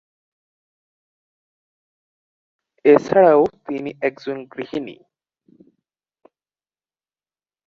এছাড়াও তিনি একজন গৃহিণী।